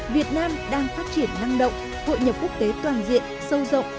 việt nam đang phát triển năng động hội nhập quốc tế toàn diện sâu rộng